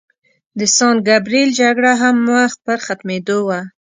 د سان ګبریل جګړه هم مخ په ختمېدو وه.